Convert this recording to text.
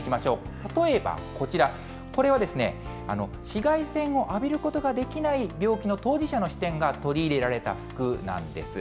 例えばこちら、これは紫外線を浴びることができない病気の当事者の視点が取り入れられた服なんです。